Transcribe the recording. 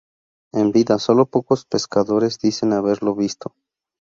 En vida solo pocos pescadores dicen haberlo visto.